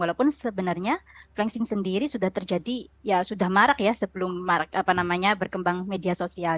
walaupun sebenarnya flexing sendiri sudah terjadi ya sudah marak ya sebelum berkembang media sosial